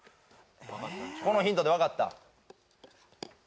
このヒントでわかった？